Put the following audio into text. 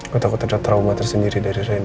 gue takut ada trauma tersendiri dari rena